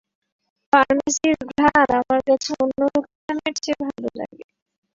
ফার্মেসির ঘ্রাণ আমার কাছে অন্য দোকানের চেয়ে ভালো লাগে।